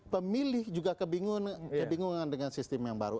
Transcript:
pemilih juga kebingungan dengan sistem yang baru